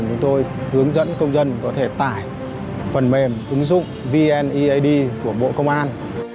chúng tôi hướng dẫn công dân có thể tải phần mềm ứng dụng vneid của bộ công an